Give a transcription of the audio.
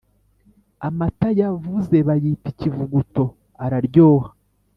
Amata yavuze bayita ikivuguto araryoha